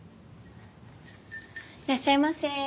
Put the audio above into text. いらっしゃいませ。